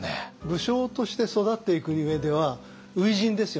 武将として育っていく上では初陣ですよね。